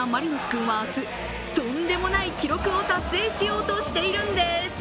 君は明日、とんでもない記録を達成しようとしているんです。